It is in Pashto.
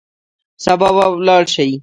سبا به ولاړ سئ.